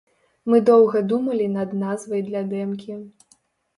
Мы доўга думалі над назвай для дэмкі.